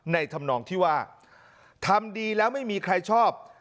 ธรรมนองที่ว่าทำดีแล้วไม่มีใครชอบ